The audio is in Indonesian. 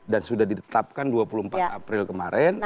dan sudah ditetapkan dua puluh empat april kemarin